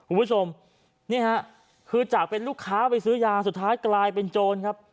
คุณผู้ชมนี่ฮะคือจากเป็นลูกค้าไปซื้อยาสุดท้ายกลายเป็นโจรครับ